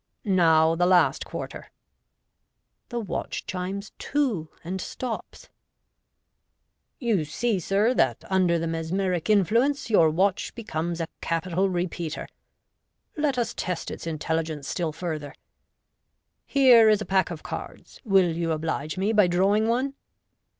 " Now tfie last quarter. ' The watch chimes " two " and stops. " You see, »ir» that under the mesmeric influence your watch becomes a capital MODERN MA GIC. 21 \ repeater. Let us test its intelligence still further. Here is a pack of cards ; will you oblige me by drawing one.